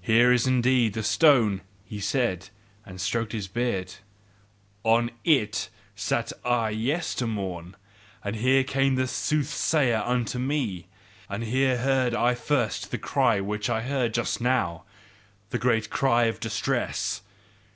"Here is indeed the stone," said he, and stroked his beard, "on IT sat I yester morn; and here came the soothsayer unto me, and here heard I first the cry which I heard just now, the great cry of distress.